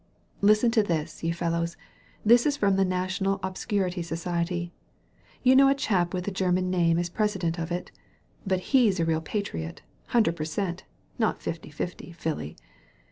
'"Listen to this, you fellows. This is from the National Obscurity Society. You know a chap with a German name is president of it, but he's a real patriot, hundred per cent, not fifty fifty, Philly.